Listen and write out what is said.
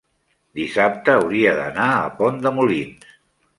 dissabte hauria d'anar a Pont de Molins.